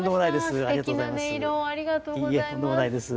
すてきな音色をありがとうございます。